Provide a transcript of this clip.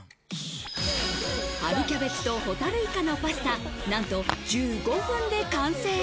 春キャベツとホタルイカのパスタ、なんと１５分で完成。